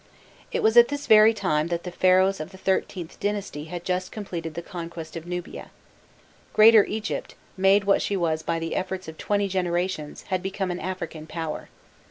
It was at this very time that the Pharaohs of the XIIIth dynasty had just completed the conquest of Nubia. Greater Egypt, made what she was by the efforts of twenty generations, had become an African power.